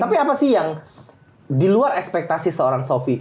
tapi apa sih yang di luar ekspektasi seorang sofi